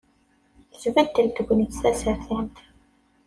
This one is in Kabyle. Tbeddel tegnit tasertant.